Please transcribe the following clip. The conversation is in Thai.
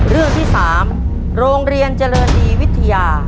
เรื่องที่๓โรงเรียนเจริญดีวิทยา